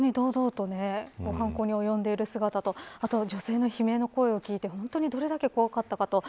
本当に堂々と犯行に及んでいる姿とあと女性の悲鳴の声を聞いてどれだけ怖かったかと。